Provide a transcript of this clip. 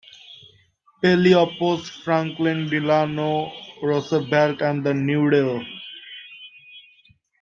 Pelley opposed Franklin Delano Roosevelt and the New Deal.